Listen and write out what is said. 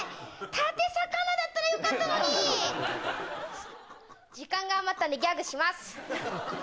たて魚だったらよかったのに時間が余ったんでギャグします